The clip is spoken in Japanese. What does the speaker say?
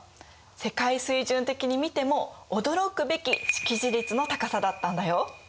世界水準的に見ても驚くべき識字率の高さだったんだよ。